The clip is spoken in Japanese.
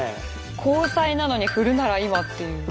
「交際」なのに「振るなら今」っていう。